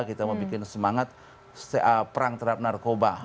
kita mau bikin semangat perang terhadap narkoba